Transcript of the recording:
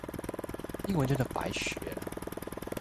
英文真的白學了